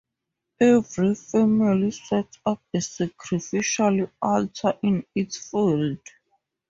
Every family sets up a sacrificial altar in its field.